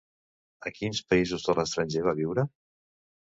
A quins països de l'estranger va viure?